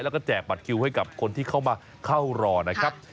แล้วก็แจกบัตรคิวให้กับคนที่เข้ามาเข้ารอนะครับ